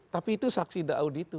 tapi itu saksi dauditu